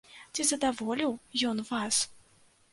Ці задаволіў ён вас?